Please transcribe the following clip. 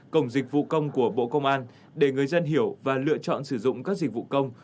cổng dịch vụ công của bộ công an để người dân hiểu và lựa chọn sử dụng các dịch vụ công